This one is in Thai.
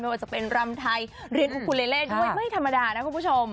ว่าจะเป็นรำไทยเหรียญอุคุเล่ด้วยไม่ธรรมดานะคุณผู้ชม